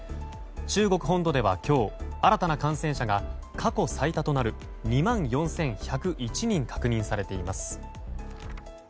中国本土では今日新たな感染者が過去最多となる２万４１０１人確認されています。